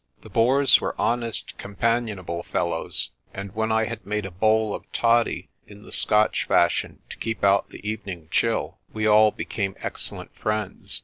The Boers were honest companionable fellows, and when I had made a bowl of toddy in the Scotch fashion to keep out the evening chill, we all became excellent friends.